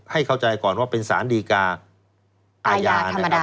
ให้เข้าใจก่อนว่าเป็นสารดีกาอาญา